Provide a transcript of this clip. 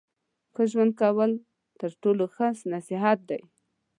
ښه ژوند کول تر ټولو ښه نصیحت دی.